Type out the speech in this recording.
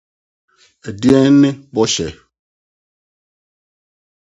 Dɛn ne bɔhyɛ?